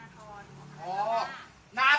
จุธรทร